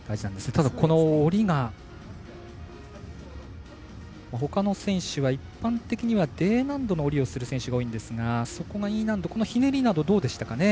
ただ、下りが、ほかの選手は一般的にはＤ難度の下りをする選手が多いんですがそこがＥ難度ひねりなどどうでしたかね。